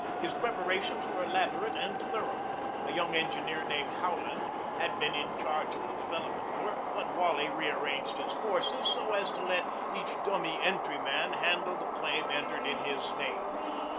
His preparations were elaborate and thorough. A young engineer named Howland had been in charge of the development work, but Wally rearranged his forces so as to let each dummy entryman handle the claim entered in his name.